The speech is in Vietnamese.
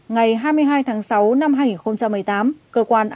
ngày hai mươi hai tháng sáu năm hai nghìn một mươi tám